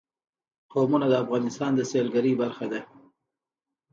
قومونه د افغانستان د سیلګرۍ برخه ده.